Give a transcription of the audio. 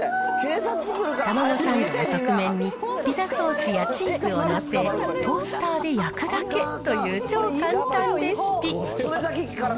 たまごサンドの側面にピザソースやチーズを載せ、トースターで焼くだけという超簡単レシピ。